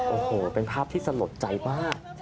โอ้โหเป็นภาพที่สลดใจมาก